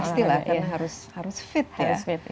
pasti lah karena harus fit ya